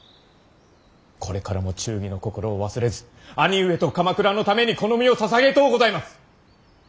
これからも忠義の心を忘れず兄上と鎌倉のためにこの身を捧げとうございます。